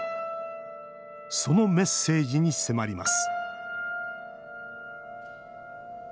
そのメッセージに迫ります